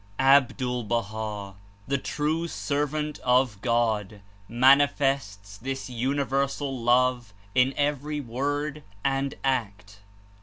Abdul Baha', the true servant of God, manifests this universal love in every word and act.